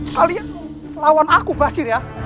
kalian lawan aku basir ya